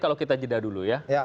kalau kita jeda dulu ya